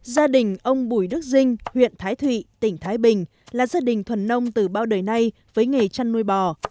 gia đình ông bùi đức dinh huyện thái thụy tỉnh thái bình là gia đình thuần nông từ bao đời nay với nghề chăn nuôi bò